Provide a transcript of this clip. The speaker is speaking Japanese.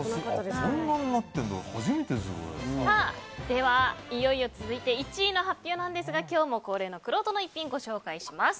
では、いよいよ続いて１位の発表なんですが今日も恒例のくろうとの逸品ご紹介します。